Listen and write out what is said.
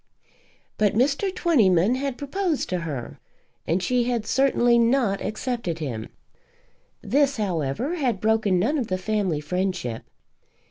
But Mr. Twentyman had proposed to her, and she had certainly not accepted him. This, however, had broken none of the family friendship.